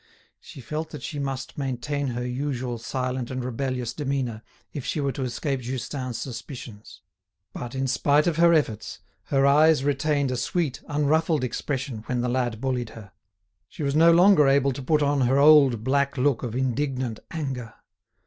She felt that she must maintain her usual silent and rebellious demeanour if she were to escape Justin's suspicions. But, in spite of her efforts, her eyes retained a sweet unruffled expression when the lad bullied her; she was no longer able to put on her old black look of indignant anger.